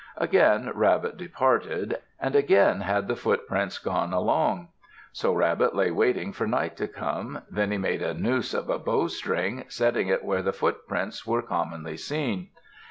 Again Rabbit departed. And again had the footprints gone along. So Rabbit lay waiting for night to come. Then he made a noose of a bowstring, setting it where the footprints were commonly seen.